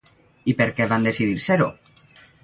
I per què van decidir ser-ho?